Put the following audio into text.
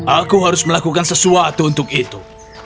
aku harus melakukan sesuatu untuk itu